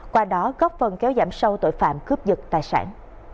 qua đó góp phần kéo giảm sâu tội phạm cướp dựt tài sản